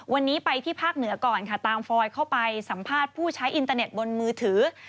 วันนี้ไปที่ภาคเหนือก่อนค่ะตามฟอยเข้าไปสัมภาษณ์ผู้ใช้อินเตอร์เน็ตบนมือถือ